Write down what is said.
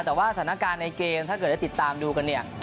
แต่ว่าสถานการณ์ในเกมถ้าเกิดได้ติดตามดูกันเนี่ย